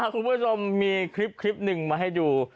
คุณผู้ชมมีคลิปหนึ่งมาให้ดู